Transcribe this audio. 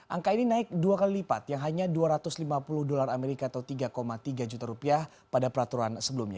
angka ini naik dua kali lipat yang hanya dua ratus lima puluh dolar amerika atau tiga tiga juta rupiah pada peraturan sebelumnya